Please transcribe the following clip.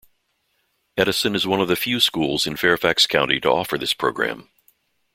Edison is one of the few schools in Fairfax County to offer this program.